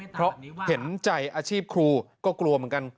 เพราะเห็นใจอาชีพครูก็กลัวเหมือนกัน